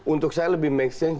untuk saya lebih make sense